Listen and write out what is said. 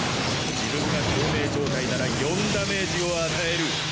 自分が共鳴状態なら４ダメージを与える。